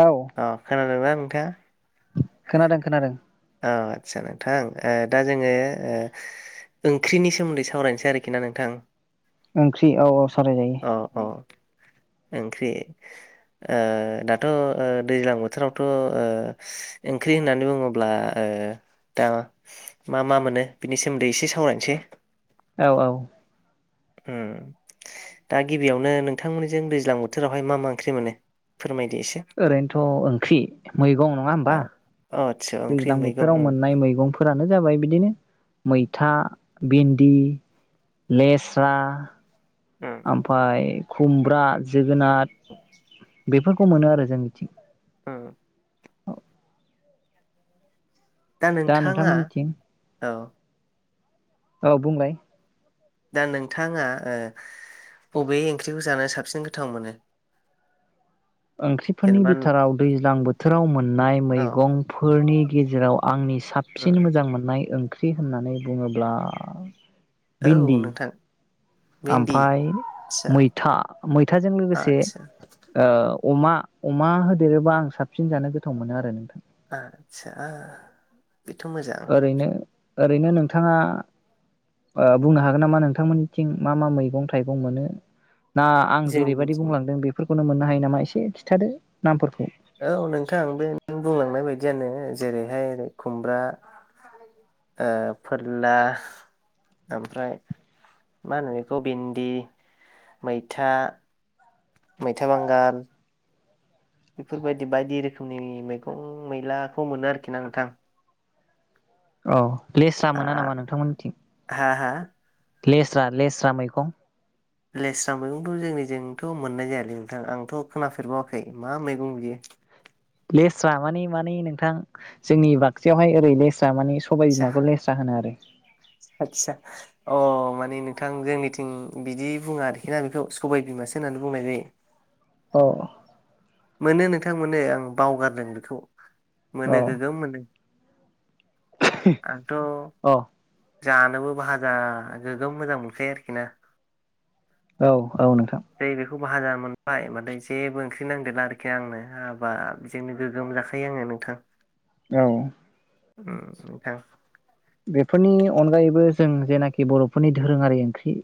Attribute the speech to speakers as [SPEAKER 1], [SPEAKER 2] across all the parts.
[SPEAKER 1] औ
[SPEAKER 2] अ खोनादोंना नोंथाङा?
[SPEAKER 1] खोनादों खोनादों।
[SPEAKER 2] औ आटचा नोंथां ओ दा जोङो ओ ओंख्रिनि सोमोन्दै सावरायनोसै आरोखिना नोंथां।
[SPEAKER 1] ओंख्रि औ औ सावराय जायो।
[SPEAKER 2] अ अ ओंख्रि। ओ दाथ' ओ दैज्लां बोथोरावथ' ओ ओंख्रि होननानै बुङो अब्ला ओ दा मा मा मोनो बिनि सोमोन्दै एसे सावरायनोसै।
[SPEAKER 1] औ औ।
[SPEAKER 2] उम दा गिबियावनो नोंथांमोननिजों दैज्लां बोथोरावहाय मा मा ओंख्रि मोनो फोरमाय
[SPEAKER 1] ओरैनोथ' ओंख्रि मैगं नङा होमबा।
[SPEAKER 2] आ अ आदसा ओंख्रि
[SPEAKER 1] दैज्लां
[SPEAKER 2] मैगं
[SPEAKER 1] बोथोराव
[SPEAKER 2] उम
[SPEAKER 1] मोननाय मैगंफोरानो जाबाय बिदिनो मैथा, भिन्दि, लेस्रा,
[SPEAKER 2] उम
[SPEAKER 1] ओमफाय खुमब्रा, जो गोनाथ बेफोरखौ मोनो आरो जोंनिथिं।
[SPEAKER 2] उम। दा नोंथाङा औ
[SPEAKER 1] औ बुंलाय।
[SPEAKER 2] दा नोंथाङा ओ बबे ओंख्रिखौ जानो साबसिन गोथाव मोनो?
[SPEAKER 1] ओंख्रिफोरनि
[SPEAKER 2] जेनेबा
[SPEAKER 1] बिथोराव दैज्लां बोथोराव मोननाय
[SPEAKER 2] औ
[SPEAKER 1] मैगंफोरनि गेजेराव आंनि
[SPEAKER 2] उम
[SPEAKER 1] साबसिन मोजां मोननाय ओं ख्रि होननानै बुङोब्ला
[SPEAKER 2] औ
[SPEAKER 1] भिन्दि
[SPEAKER 2] नोंथां। भिन्दि
[SPEAKER 1] ओमफाय
[SPEAKER 2] आदसा
[SPEAKER 1] मैथा, मैथाजों लोगोसे
[SPEAKER 2] आदसा
[SPEAKER 1] ओ अमा अमा होदेरोबा आं साबसिन जानो गोथाव मोनो आरो
[SPEAKER 2] आतसा बेथ' मोजां
[SPEAKER 1] ओरैनो ओरैनो नोंथाङा बुंनो हागोन नामा नोंथांमोन थिं मा मा मैगं थाइगं मोनो? ना आं जेरैबायदि
[SPEAKER 2] जोंनिथिं
[SPEAKER 1] बुंलांदों बेफोर खौनो मोननो हायो नामा एसे खिन्थादो नामफोरखौ
[SPEAKER 2] औ नोंथां बे नों बुंलांनाय बायदियानो जेरैहाय खुमब्रा ओ फोरला ओमफ्राय मा होनो बेखौ भिन्दि मैथा, मैथा बांगाल बेफोरबायदि बायदि रोखोमनि मैगं मैलाखौ मोनो आरोखि ना नोंथां
[SPEAKER 1] औ लेस्रा
[SPEAKER 2] हा
[SPEAKER 1] मोना नामा नोंथांमोननिथिं
[SPEAKER 2] हा हा
[SPEAKER 1] लेस्रा लेस्रा मैगं
[SPEAKER 2] लेस्रा मैगंथ' जोंनिजोंथ' मोननाय जायालै नोंथां आंथ' खोनाफेरबावाखै मा मैगं बियो?
[SPEAKER 1] लेस्रा माने माने नोंथां जोंनि बाक्सायावहाय ओरैनो जा माने सबाय बिमाखौ लेस्रा होनो आरो
[SPEAKER 2] आतसा अ माने नोंथां जोंनिथिं बिदि बुङा आरोखि ना बेखौ सबाय बिमासो होननानै बुंनाय जायो
[SPEAKER 1] औ
[SPEAKER 2] मोनो नोंथां मोनो आं बावगारदों बेखौ
[SPEAKER 1] औ
[SPEAKER 2] मोनो गोगोम मोनो आथ'
[SPEAKER 1] औ
[SPEAKER 2] जानोबो भाजा गोगोम मोजां मोनखायो आरोखि ना।
[SPEAKER 1] औ औ नोंथां
[SPEAKER 2] जै बेखौ भाजा मोनबाय होनबाथाय जेबो ओंख्रि नां देरला आरोखि आंनो हाबा जजोंनो गोग्गोम जाखायो आङो नोंथां
[SPEAKER 1] औ
[SPEAKER 2] उम आं
[SPEAKER 1] बेफोरनि अनगायैबो जों जेनाखि बर'फोरनि दोरोङारि ओंख्रि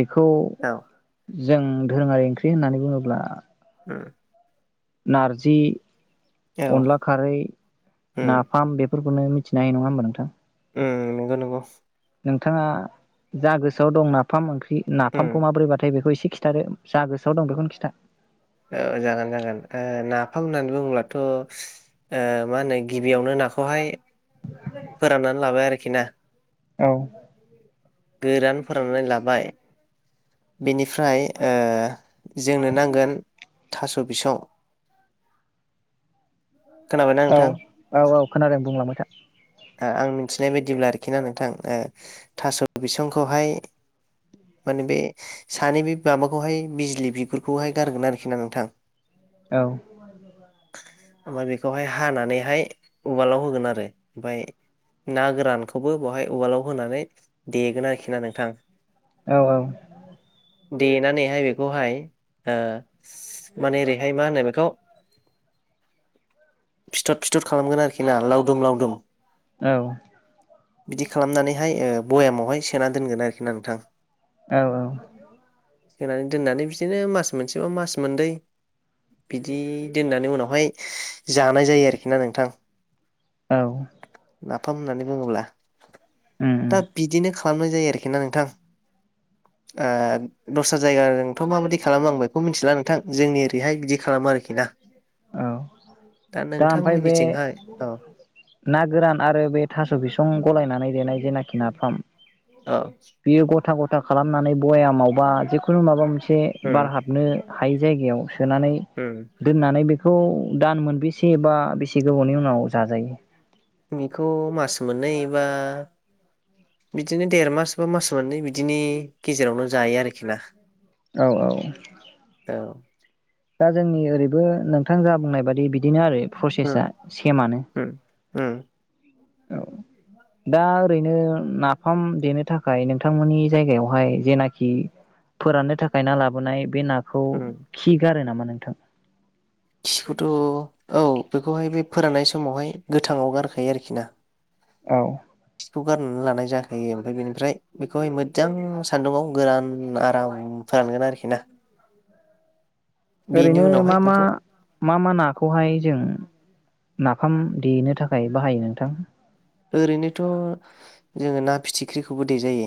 [SPEAKER 1] बे खौ
[SPEAKER 2] औ
[SPEAKER 1] जों धोरोङारि ओंख्रि होननानै बुङोब्ला
[SPEAKER 2] उम
[SPEAKER 1] नारजि
[SPEAKER 2] औ
[SPEAKER 1] अनला खारै
[SPEAKER 2] उम
[SPEAKER 1] नाफाम बे फोरखौ मिथिनो हायो नङा होमबा नोंथां?
[SPEAKER 2] उम नंगौ नंगौ नोंथां
[SPEAKER 1] नोंथाङा जा गोसोआव दं नाफाम ओंख्रि
[SPEAKER 2] उम
[SPEAKER 1] नाफामखौ माबोरैबाथाय बेखौ एसे खिथादो जा गोसोआव दं बेखौनो खिथा
[SPEAKER 2] औ जागोन जागोन ओ नाफाम होननानै बुङोब्लाथ' ओ मा होनो गिबियावनो नाखौहाय फोराननानै लाबाय आरोखि खिना
[SPEAKER 1] औ
[SPEAKER 2] गोरान फोराननानै लाबाय बेनिफ्राय ओ जोंनो नांगोन थास' बिसं। खोनाबायना
[SPEAKER 1] औ
[SPEAKER 2] नोंथां
[SPEAKER 1] औ औ खोनादों बुंलांबाय था।
[SPEAKER 2] ओ आं मिथिनाय बायदिब्ला आरोखि ना नोंथां थास' बिसंखौहाय माने बे सानै बे माबाखौहाय बिजलि बिगुरखौहाय गारगोन आरोखि ना नोंथां।
[SPEAKER 1] औ
[SPEAKER 2] ओमफ्राय बेखौहाय हानानैहाय उवालाव होगोन आरो ओमफाय ना गोरानखौबो बेहाय उवालाव होनानै देगोन आरोखि ना नोंथां।
[SPEAKER 1] औ औ
[SPEAKER 2] देनानैहाय बेखौहाय ओ माने ओरैहाय मा होनो बेखौ फिथर फिथर खालामगोन आरोखि ना लावदुम लावदुम
[SPEAKER 1] औ
[SPEAKER 2] बिदि खालामनानैहाय ओ भयामावहाय सोना दोनगोन आरोखि ना नोंथां।
[SPEAKER 1] औ औ
[SPEAKER 2] होनानै दोननानै बिसोरो मास मोनसेबा मास मोननै बिदि दोननानै उनावहाय जानाय जायो आरोखि ना नोंथां।
[SPEAKER 1] औ
[SPEAKER 2] नाफाम होननानै बुङोब्ला
[SPEAKER 1] उम उम
[SPEAKER 2] दा बिदिनो खालामनाय जायो आरोखि ना नोंथां ओ दस्रा जायगाजोंथ' माबाददि खालामो आं बेखौ मिथिला नोंथां जोंनि ओरैहाय बिदि खालामो आरोखि ना।
[SPEAKER 1] औ
[SPEAKER 2] दा
[SPEAKER 1] ओमफ्राय बे
[SPEAKER 2] नोंथांमोननिथिंहाय औ
[SPEAKER 1] ना गोरान आरो बे थास' बिसं गलायनानै देनाय जेनाखि नाफाम
[SPEAKER 2] औ
[SPEAKER 1] बियो गथ गथा गथा खालामनानै बयामावबा जिखुनु माबा मोनसे से
[SPEAKER 2] उम
[SPEAKER 1] बार हाबनो हाय जायगायाव सोनानै
[SPEAKER 2] उम
[SPEAKER 1] दोननानै बेख खौ दान मोनबेसे बा बेसे गोबावनि उनाव जाजायो?
[SPEAKER 2] बेखौ मास मोननै बा बिदिनो देर मास बा मास मोननै बिदिनि गेजेरावनो जायो आरोखि ना?
[SPEAKER 1] औ औ
[SPEAKER 2] औ
[SPEAKER 1] दा जोंनि ओरै बो नोंथां जा बुंनाय बादि बिदिनो आरो प्रसेसा सेमानो।
[SPEAKER 2] ओ
[SPEAKER 1] औ दा ओरैनो नाफाम देनो थाखाय नोंथांमोननि जायगायावहाय जेनाखि फोराननो थाखाय ना लाबोनाय बे ना खौ
[SPEAKER 2] उम
[SPEAKER 1] खि गारो नामा? नोंथां
[SPEAKER 2] खिखौथ' औ बेखौहाय बे फोराननाय समावहाय गोथाङाव गारखायो आरोखि ना?
[SPEAKER 1] औ
[SPEAKER 2] खौ गारनानै लानाय जाखायो ओमफाय बेनिफ्राय बेखौहाय मोजां सान्दुंआव गोरान आराम फोरानगोन आरोखि ना? बेनि
[SPEAKER 1] ओरैनो मा
[SPEAKER 2] उनावहाय
[SPEAKER 1] मा
[SPEAKER 2] बेखौ
[SPEAKER 1] मा मा नाखौहाय जों नाफाम देनो थाखाय बाहायो नोंथां?
[SPEAKER 2] ओरैनोथ' जोङो ना फिथिख्रिखौबो देजायो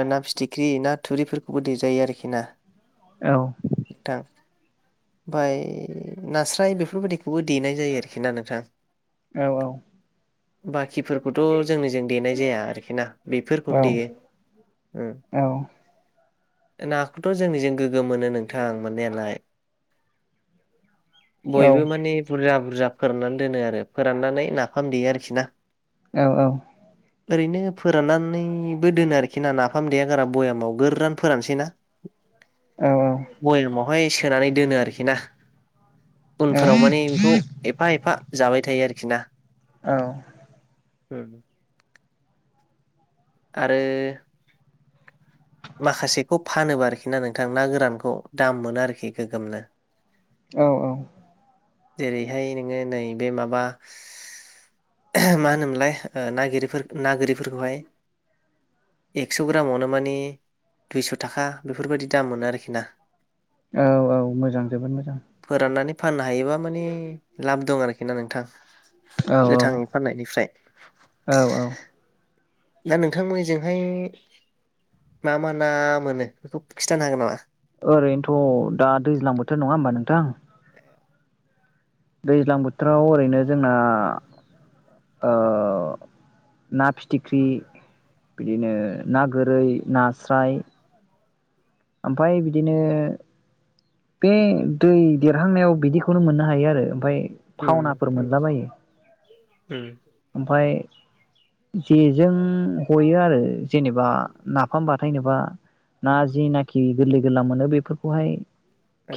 [SPEAKER 2] मा ना फिथिख्रि ना थुरिफोरखौबो देजायो आरोखि ना
[SPEAKER 1] औ
[SPEAKER 2] नोंथां ओमफाय नास्राय बेफोरबायदिखौबो देनाय जायो आरोखि ना नोंथां
[SPEAKER 1] औ औ
[SPEAKER 2] बाखिफोरखौथ' जोंनिजों देनाय जाया आरोखि ना
[SPEAKER 1] औ
[SPEAKER 2] बेफोरखौनो देयो ओ
[SPEAKER 1] औ
[SPEAKER 2] नाखौथ' जोंनिजों गोग्गोम मोनो नोंथां मोननायालाय
[SPEAKER 1] औ
[SPEAKER 2] बयबो माने बुरजा बुरजा फोरनानै दोनो आरो फोराननानै नाफाम देयो आरोखि ना
[SPEAKER 1] औ औ
[SPEAKER 2] ओरैनो फोराननानैबो दोनो आरोखि ना नाफाम देया गारा बयामाव गोरान फोरानसैना
[SPEAKER 1] औ औ
[SPEAKER 2] [unintelligible] सोनानै दोनो आरोखि ना उनफोराव माने बेखौ एफा एफा जाबाय थायो आरोखि ना?
[SPEAKER 1] औ
[SPEAKER 2] उम आरो माखासेखौ फानोबा आरोखि ना नोंथां ना गोरानखौ दाम मोनो आरोखि गोगोमनो
[SPEAKER 1] औ औ
[SPEAKER 2] जेरैहाय नोङो नैबे माबा मा होनोमोनलाय ओ ना गिरिफोर ना गोरिफोरखौहाय एक्स' ग्रामावनो मानि दुइस' थाखा बेफोरबायाददि दाम मोनो आरोखि ना
[SPEAKER 1] औ औ मोजां, जोबोद मोजां
[SPEAKER 2] फोराननानै फाननो हायोबा माने लाब दं आरोखि, ना नोंथां?
[SPEAKER 1] औ
[SPEAKER 2] गोथाङै फाननायनिफ्राय।
[SPEAKER 1] औ औ
[SPEAKER 2] दा नोंथां जोंहाय मा मा ना मोनो बेखौ खिन्थानो हागोन नामा?
[SPEAKER 1] ओरैनोथ' दा दैज्लां बोथोर नङा होमबा नोंथां? दैज्लां बोथोराव ओरैनो जोंना ओ ना फिथिख्रि, बिदिनो ना गोरै, नास्राइ ओमफाय बिदिनो बे दै देरहांनायाव बिदिखौनो मोननो हायो आरो ओमफाय
[SPEAKER 2] उम
[SPEAKER 1] [unintelligible] नाफोर
[SPEAKER 2] उम
[SPEAKER 1] मोनलाबायो
[SPEAKER 2] उम
[SPEAKER 1] ओमफाय जेजों हयो आरो जेनेबा नाफाम बाथायेननोबा ना जिनाखि गोरलै गोरलाम मोनो बेफोरखौहाय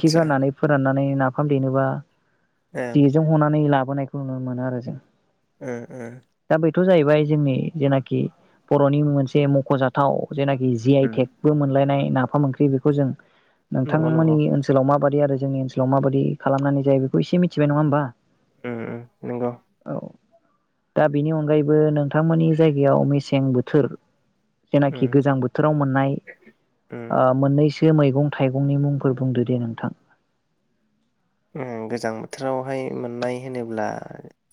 [SPEAKER 1] खि गारनानै फोरानना नै नाफाम देनोबा
[SPEAKER 2] ओं
[SPEAKER 1] जेजों हनानै ला बोनायखौ नुनो मोनो आरो जों
[SPEAKER 2] उम उम
[SPEAKER 1] थ' जाहैबाय जोंनि जेनाखि बर'नि मोनसे मख'जाथाव जेनाखि जि आइ
[SPEAKER 2] उम
[SPEAKER 1] टेकबो मोनलायनाय नाफाम ओंख्रि बेखौ जों
[SPEAKER 2] नंगौ नंगौ
[SPEAKER 1] नोंथांमोननि ओनसोलाव माबादि आरो जोंनि ओनसोलाव माबाद खालामनानै जायो बेखौ इसे मिथिबाय नङा होमबा ।
[SPEAKER 2] उम उम नोंगौ
[SPEAKER 1] दा बेनि अनगायैबो नोंथांमोननि जायगायाव मेसें बोथोर
[SPEAKER 2] उम
[SPEAKER 1] जेनाखि गोजां बोथोराव मोननाय
[SPEAKER 2] उम
[SPEAKER 1] ओ मोननैसो बे मैगं थाइगंनि मुंफोर बुंदो दे नोंथां।
[SPEAKER 2] ओम गोजां बोथोरावहाय मोननाय होनोब्ला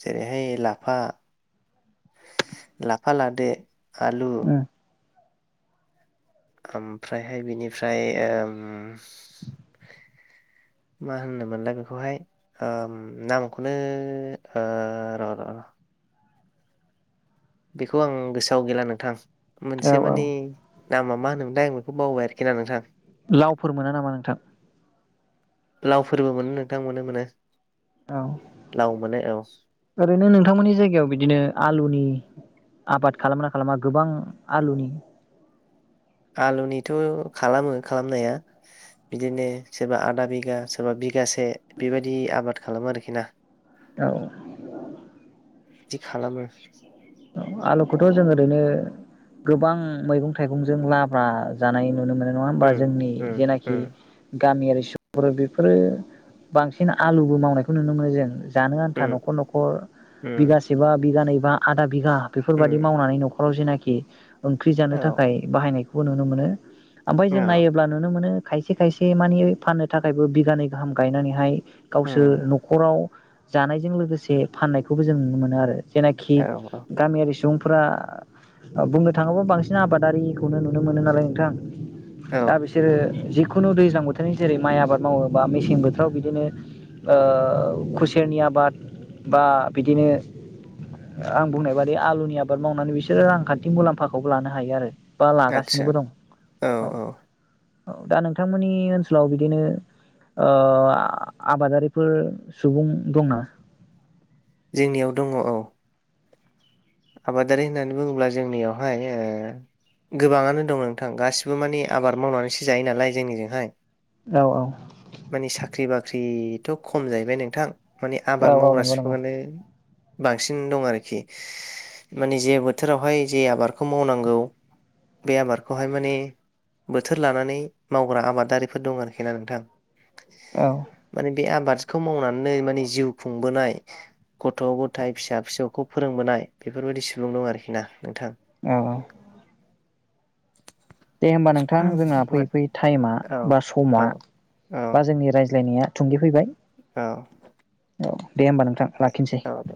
[SPEAKER 2] जेरैहाय लाफा लाफा लादो आलु
[SPEAKER 1] उम
[SPEAKER 2] ओमफ्रायहाय बिनिफ्राय ओम मा होनोमोनलाय बेखौहाय ओम नामखौनो ओ र' र' र' बेखौ आं गोसोआव गैला नोंथां।
[SPEAKER 1] औ
[SPEAKER 2] मोनसे
[SPEAKER 1] औ
[SPEAKER 2] माने नामा मा होनोमोनथाय आं बेखौ बावबाय आरोखि ना नोंथां
[SPEAKER 1] लावफोर मोना नामा नोंथां?
[SPEAKER 2] लावफोरबो मोनो नोंथां मोनो मोनो ।
[SPEAKER 1] औ ओरैनो नोंथांमोननि जायगायाव बिदिनो आलुनि आबाद खालामोना खालामा गोबां आलुनि
[SPEAKER 2] आलुनिथ' खालामो खालामनाया बिदिनो सोरबा आदा बिगा सोरबा बि गासे बेबायदि आबाद खालामो आरोखि ना ।
[SPEAKER 1] औ
[SPEAKER 2] दि खालामो ।
[SPEAKER 1] आलुखौथ' जों ओरैनो गोबां मैगं थाइगंजों लाब्रा जानाय नुनो मोनो नङा होमबा
[SPEAKER 2] उम
[SPEAKER 1] जोंनि
[SPEAKER 2] उम
[SPEAKER 1] जेनाखि
[SPEAKER 2] उम
[SPEAKER 1] गामियारि सुबुंफोर बेफोरो बांसिन आलुबो मावनायखौ नुनो मोनो जों । जानो आन्था
[SPEAKER 2] उम
[SPEAKER 1] न'खर न'खर
[SPEAKER 2] उम
[SPEAKER 1] बिगासे बा बिगानै बा आदा बिगा बेफोरबायदि
[SPEAKER 2] उम
[SPEAKER 1] मावनानै न'खराव जेनाखि ओम ओंख्रि जानो
[SPEAKER 2] औ
[SPEAKER 1] थाखाय बाहायनाय खौ नुनो मोनो। ओमफ्राय
[SPEAKER 2] औ
[SPEAKER 1] जों नायोब्ला नुनो मोनो खायसे खायसे माने फाननो थाखायबो बिगानै गाहाम गायनानैहाय
[SPEAKER 2] उम
[SPEAKER 1] गावसोर न'खराव जानायजों लोगोसे फाननायखौबो जों नुनो मोनो आरो। जेनाखि
[SPEAKER 2] औ
[SPEAKER 1] गामियारि सुबुंफोरा बुंनो थाङोब्ला बांसिन आबादारिखौनो नुनो मोनो नालाय नोंथां।
[SPEAKER 2] औ
[SPEAKER 1] दा बिसोरो जि खुनु दैज्लां बोथोरनि जेरै माइ आबाद मावो बा मेसें बोथोराव बिदिनोसै ओ खुसेरनि आबाद बा बिदिनो आं बुंनाय बादि आलुनि आबाद मावनानै बिसोरो रांखान्थि मुलाम्फाखौबो लानो हायो आरो। बा
[SPEAKER 2] आदसा
[SPEAKER 1] लागासिनोबो दं औ। औ दा नोंथांमोननि ओनसोलाव बिदिनो आबादारिफोर सुबुं दंना?
[SPEAKER 2] जोंनियाव दङ औ आबादारि होननानै बुङोब्ला जोंनियावहाय ओ गोबाङानो दङ नोंथां गासिबो माने आबार मावनानैसो जायो नालाय जोंनिजोंहाय।
[SPEAKER 1] औ औ
[SPEAKER 2] [inaudible] माने साख्रि बाख्रि थ' खम जाहैबाय नोंथां। माने
[SPEAKER 1] औ
[SPEAKER 2] आबाद
[SPEAKER 1] औ
[SPEAKER 2] मावग्रा
[SPEAKER 1] नंगौ नंगौ
[SPEAKER 2] सुबुङानो बांसिन दं आरोखि माने जे बोथोरावहाय जे आबादखौ मावनांगौ बे आबादखौहाय माने बोथोर लानानै मावग्रा आबादारिफोर दं आरोखि ना नोंथां।
[SPEAKER 1] औ
[SPEAKER 2] [inaudible] माने बे आबाद बिखौ मावनानै माने जिउ खुंबोनाय, गथ' गथायाइ फिसा फिसौखौ फोरोंबोनाय, बेफोरबायदि सुबुं दं आरोखि ना नोंथां।
[SPEAKER 1] औ औ दे होमबा नोंथां जोंहा
[SPEAKER 2] औ
[SPEAKER 1] फैयै फैयै टाइमा
[SPEAKER 2] औ
[SPEAKER 1] बा समा,
[SPEAKER 2] औ
[SPEAKER 1] बा जोंनि राय नाया थुंगे फैबाय।
[SPEAKER 2] औ
[SPEAKER 1] औ दे होमबा नोंथां लाखिसै।
[SPEAKER 2] औ दे